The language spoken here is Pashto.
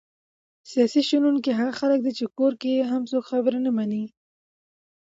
سیاسي شنونکي هغه خلک دي چې کور کې یې هم څوک خبره نه مني!